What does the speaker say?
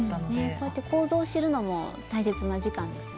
こうやって構造を知るのも大切な時間ですよね。